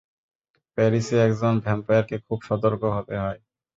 প্যারিসে, একজন ভ্যাম্পায়ারকে খুব সতর্ক হতে হয়।